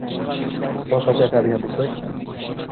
boshqacha aytadigan bo‘lsak